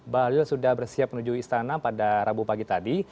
bahlil sudah bersiap menuju istana pada rabu pagi tadi